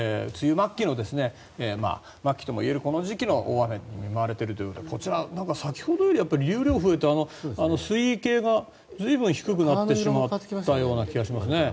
末期ともいえるこの時期の大雨に見舞われているということでこちら、先ほどよりも流量が増えて、水位計が随分低くなってしまったような感じがしますね。